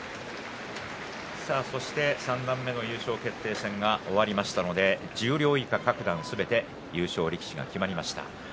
三段目の優勝決定戦が終わりましたので十両以下各段すべて優勝力士が決まりました。